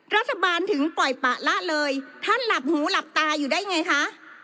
รัฐบาลถึงปล่อยปะละเลยท่านหลับหูหลับตาอยู่ได้ไงคะ